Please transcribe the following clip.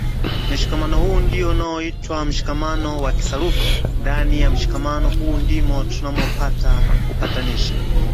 Mshikamano huu ndio unaoitwa mshikamano wa kisarufi ndani ya mshikamano huu ndimo tunamopata upatanishi